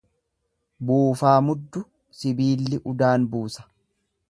Buufaa muddu sibilli udaan buusa.